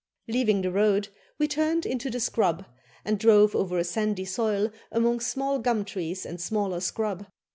Leaving the road, we turned into the scrub, and drove over a sandy soil among small gum trees and smaller scrub.